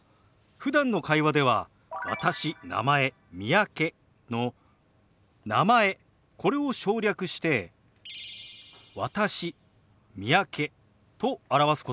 ふだんの会話では「私」「名前」「三宅」の「名前」これを省略して「私」「三宅」と表すこともありますよ。